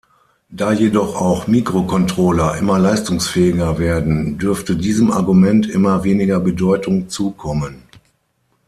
Da jedoch auch Mikrocontroller immer leistungsfähiger werden, dürfte diesem Argument immer weniger Bedeutung zukommen.